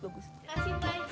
terima kasih mba is